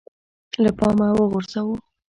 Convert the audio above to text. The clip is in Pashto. له پامه وغورځوو